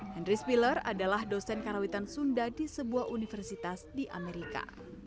henry spiller adalah dosen karawitan sunda di sebuah universitas di amerika